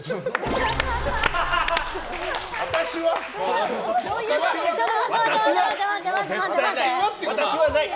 私はない！